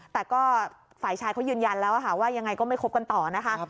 แต่ก็ฝ่ายชายเขายืนยันแล้วค่ะว่ายังไงก็ไม่คบกันต่อนะคะ